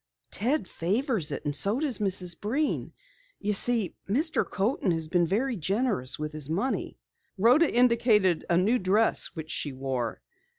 Ted favors it, and so does Mrs. Breen. You see, Mr. Coaten has been very generous with his money." Rhoda indicated a new dress which she wore.